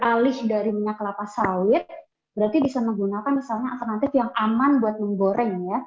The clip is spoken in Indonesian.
kalau kita memilih dari minyak kelapa sawit berarti bisa menggunakan alternatif yang aman buat menggoreng